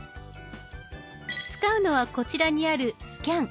使うのはこちらにある「スキャン」。